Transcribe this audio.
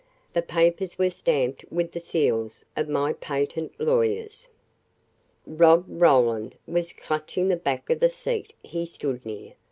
The papers were stamped with the seals of my patent lawyers." Rob Roland was clutching the back of the seat he stood near.